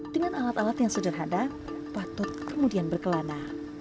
dengan alat alat yang sederhana patut kemudian berkelana